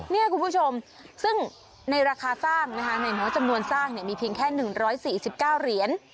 นี่คุณผู้ชมซึ่งในราคาสร้างนะคะในน้อยจำนวนสร้างมีเพียงแค่๑๔๙เหรียญ